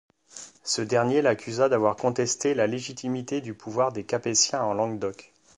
Ce dernier l'accusa d'avoir contesté la légitimité du pouvoir des Capétiens en Languedoc.